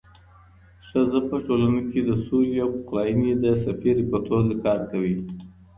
ښځه په ټولنه کي د سولې او پخلاینې د سفیرې په توګه کار کوي